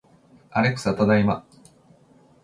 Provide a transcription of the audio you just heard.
アレクサ、ただいま